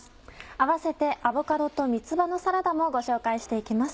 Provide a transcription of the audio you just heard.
併せて「アボカドと三つ葉のサラダ」もご紹介して行きます。